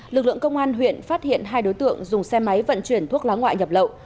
lực lượng công an huyện phát hiện hai đối tượng dùng xe máy vận chuyển thuốc lá ngoại nhập lậu